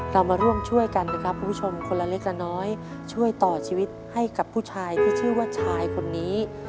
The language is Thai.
เรามาร่วมช่วยกันนะครับคุณผู้ชมคนละเล็กละน้อยช่วยต่อชีวิตให้กับผู้ชายที่ชื่อว่าชายคนนี้